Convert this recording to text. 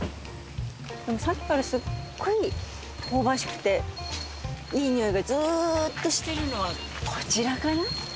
さっきからすごい香ばしくていい匂いがずっとしてるのはこちらかな？